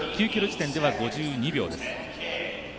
９ｋｍ地点では５２秒です。